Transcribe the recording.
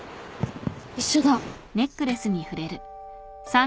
一緒だ。